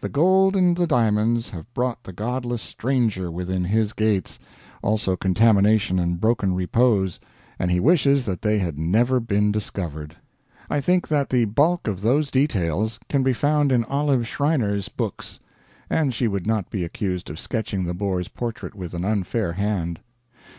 The gold and the diamonds have brought the godless stranger within his gates, also contamination and broken repose, and he wishes that they had never been discovered. I think that the bulk of those details can be found in Olive Schreiner's books, and she would not be accused of sketching the Boer's portrait with an unfair hand.